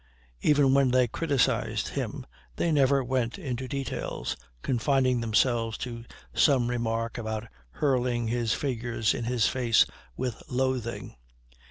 Even when they criticised him they never went into details, confining themselves to some remark about "hurling" his figures in his face with "loathing."